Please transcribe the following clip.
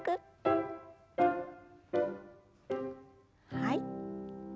はい。